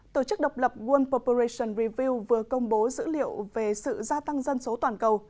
tổ chức độc lập world population review vừa công bố dữ liệu về sự gia tăng dân số toàn cầu